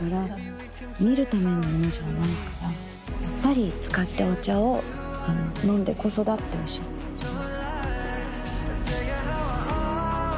やっぱり使ってお茶を飲んでこそだっておっしゃってました。